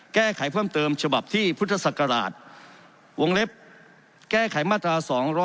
แก้ไขเพิ่มเติมฉบับที่พศวงเล็กแก้ไขมาตรา๒๕๖